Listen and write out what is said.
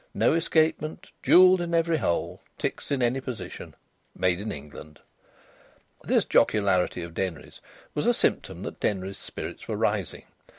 No escapement. Jewelled in every hole. Ticks in any position. Made in England." This jocularity of Denry's was a symptom that Denry's spirits were rising.